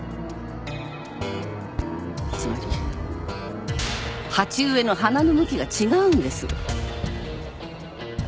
つまり鉢植えの花の向きが違うんです。